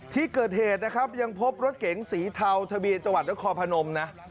ที่เกิดเหตุนะครับยังพบรถเก๋งสีเทาทะเบียนจังหวัดนครพนมนะ